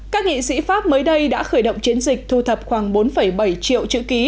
các nghị sĩ pháp mới đây đã khởi động chiến dịch thu thập khoảng bốn bảy triệu